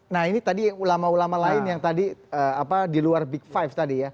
nah ini tadi yang ulama ulama lain yang tadi di luar big five tadi ya